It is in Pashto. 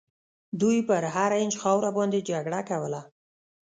دوی پر هر اینچ خاوره باندي جګړه کوله.